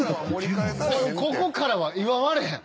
ここからは祝われへん。